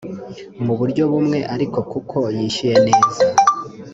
mu buryo bumwe ariko kuko yishyuye neza